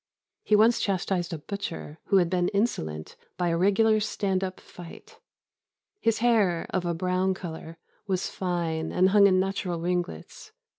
He once chastised a butcher, who had been insolent, by a regular stand up fight. His hair, of a brown colour, was fine, and hung in natural ringlets.